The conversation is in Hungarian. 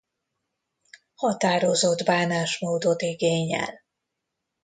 Határozott bánásmódot igényel.